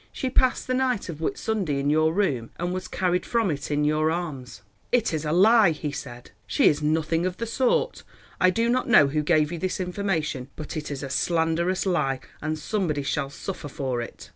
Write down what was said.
She passed the night of Whit Sunday in your room, and was carried from it in your arms." "It is a lie," he said; "she is nothing of the sort. I do not know who gave you this information, but it is a slanderous lie, and somebody shall suffer for it."